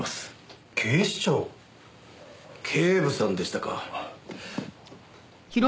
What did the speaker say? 警部さんでしたか。